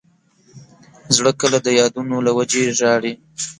زړه کله د یادونو له وجې ژاړي.